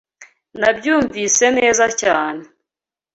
Nabyumvise neza cyane